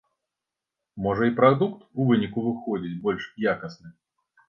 Можа і прадукт у выніку выходзіць больш якасны?